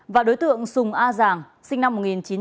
và đối tượng sùng a giàng sinh năm một nghìn chín trăm tám mươi